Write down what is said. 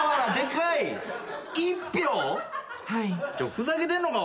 ふざけてんのか？